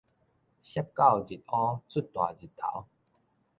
卌九日烏，出大日頭